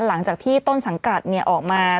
หลังจากที่ต้นสังกัดออกมา